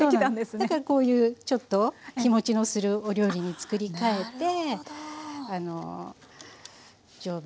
だからこういうちょっと日もちのするお料理に作り変えてなるほど。